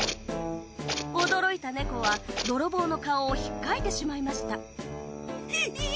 驚いた猫は泥棒の顔をひっかいてしまいましたひぃ！